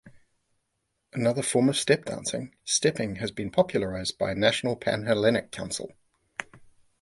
Another form of step dancing, Stepping, has been popularized by National Pan-Hellenic Council.